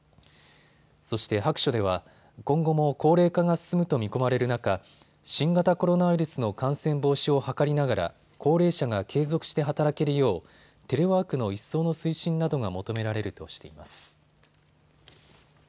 そして白書では今後も高齢化が進むと見込まれる中、新型コロナウイルスの感染防止を図りながら高齢者が継続して働けるようテレワークの一層の推進などが求められるとしています。